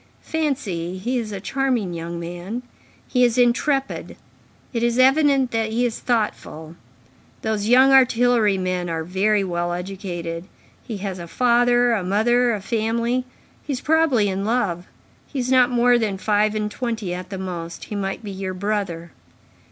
Fancy, he is a charming young man; he is intrepid; it is evident that he is thoughtful; those young artillery men are very well educated; he has a father, a mother, a family; he is probably in love; he is not more than five and twenty at the most; he might be your brother."